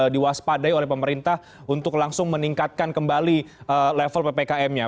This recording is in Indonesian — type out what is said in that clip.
diwaspadai oleh pemerintah untuk langsung meningkatkan kembali level ppkm nya